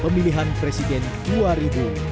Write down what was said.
sebelumnya jokowi menyatakan sudah meresui putra sulungnya